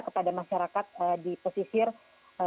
kepada masyarakat di posisi yang lainnya